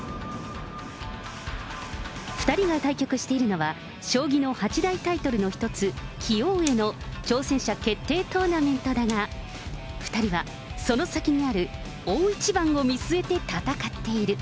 ２人が対局しているのは、将棋の八大タイトルの一つ、棋王への挑戦者決定トーナメントだが、２人はその先にある、大一番を見据えて戦っている。